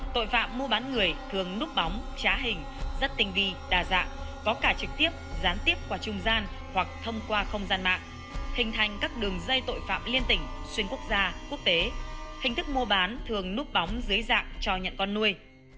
tội phạm mua bán người thường núp bóng trá hình rất tinh vi đa dạng có cả trực tiếp gián tiếp qua trung gian hoặc thông qua không gian mạng hình thành các đường dây tội phạm liên tỉnh xuyên quốc gia quốc tế hình thức mua bán thường núp bóng dưới dạng cho nhận con nuôi